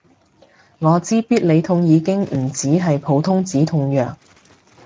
我知必理痛已經唔止係普通止痛藥